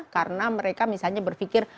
karena mereka misalnya berpikir